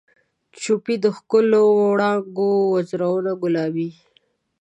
جوپې د ښکلو وړانګو وزرونه ګلابي